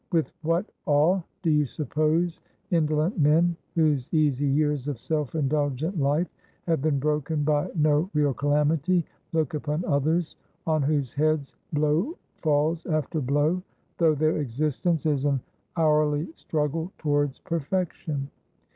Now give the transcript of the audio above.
"With what awe do you suppose indolent men, whose easy years of self indulgent life have been broken by no real calamity, look upon others on whose heads blow falls after blow, though their existence is an hourly struggle towards perfection?